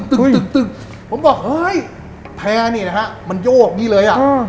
อุ๋โฮผมบอกเฮ้ยแพร่นี่นะฮะมันโยกงี้เลยอ่ะอือ